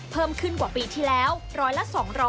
เพิ่มขึ้นกว่าปีที่แล้วร้อยละ๒๐๐